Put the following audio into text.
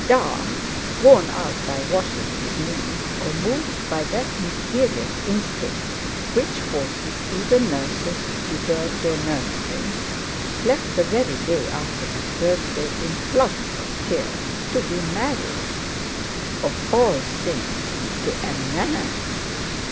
"Da," worn out by washing his knees, or moved by that mysterious instinct which forces even nurses to desert their nurslings, left the very day after his birthday in floods of tears "to be married"—of all things—"to a man."